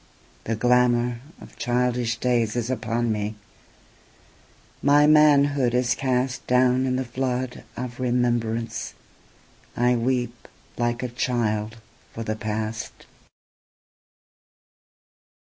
The glamourOf childish days is upon me, my manhood is castDown in the flood of remembrance, I weep like a child for the past.